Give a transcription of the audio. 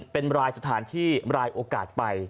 เป็นไร้สถานที่ไร้โอกาสไป